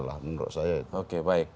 lah menurut saya oke baik